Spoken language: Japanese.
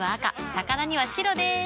魚には白でーす。